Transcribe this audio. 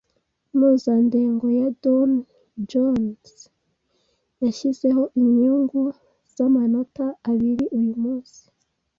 Impuzandengo ya Dow Jones yashyizeho inyungu z'amanota abiri uyumunsi.